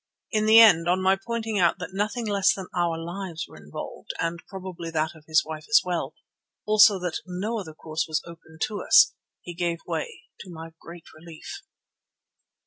In the end, on my pointing out that nothing less than our lives were involved and probably that of his wife as well, also that no other course was open to us, he gave way, to my great relief.